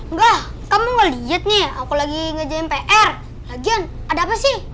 enggak kamu gak liat nih aku lagi ngejam pr lagian ada apa sih